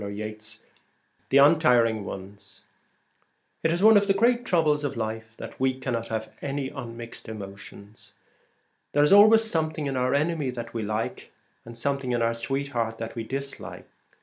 129 The THE UNTIRING ONES Celtic Twilight. It is one of the great troubles of life that we cannot have any unmixed emotions. There is always something in our enemy that we like, and something in our sweetheart that we dislike.